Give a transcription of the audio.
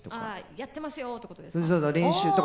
やってますよって事ですか？